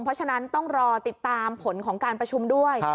เพราะฉะนั้นต้องรอติดตามผลของการประชุมด้วย